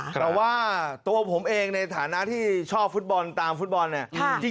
แต่ว่าตัวผมเองในฐานะที่ชอบฟุตบอลตามฟุตบอลเนี่ย